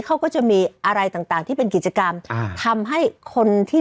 เขาก็จะมีอะไรต่างต่างที่เป็นกิจกรรมอ่าทำให้คนที่